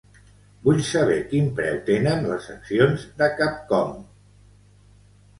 Vull saber quin preu tenen les accions de Capcom.